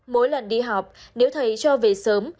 mỗi lần đi học nếu thấy cho vê sớm